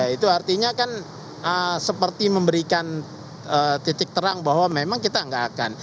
itu artinya kan seperti memberikan titik terang bahwa memang kita nggak akan